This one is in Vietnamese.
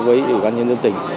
với ủy ban nhân dân tỉnh